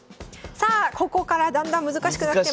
さあここからだんだん難しくなってまいります。